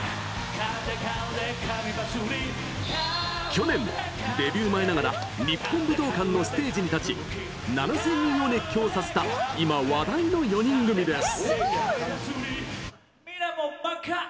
去年、デビュー前ながら日本武道館のステージに立ち７０００人を熱狂させた今、話題の４人組です。